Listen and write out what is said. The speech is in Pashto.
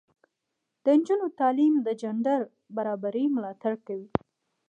د نجونو تعلیم د جنډر برابري ملاتړ کوي.